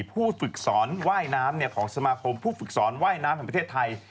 ผู้ฝึกสอนว่ายน้ำของสมาคมผู้ฝึกสอนว่ายน้ำแห่งประเทศไทย